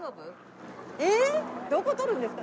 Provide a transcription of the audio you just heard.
えっどこ撮るんですか？